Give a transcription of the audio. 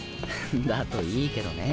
だといいけどね。